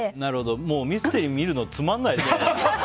もうミステリー見るのつまらないですね。